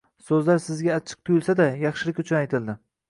So'zlar sizga achchiq tuyulsa-da, yaxshilik uchun aytildi.